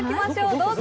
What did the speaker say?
どうぞ。